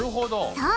そう！